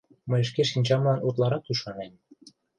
Мый шке шинчамлан утларак ӱшанем...